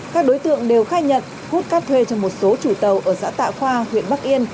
các đối tượng đều khai nhận hút cát thuê cho một số chủ tàu ở xã tạ khoa huyện bắc yên